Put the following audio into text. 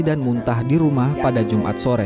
dan muntah di rumah pada jumat sore